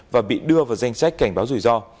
và bị đưa vào danh sách cảnh báo rủi ro